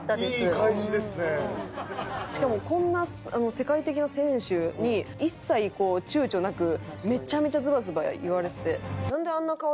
しかもこんな世界的な選手に一切躊躇なくめちゃめちゃズバズバ言われてて。